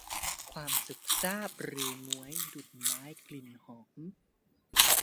ความสุขซาบฤๅม้วย ดุจไม้กลิ่นหอม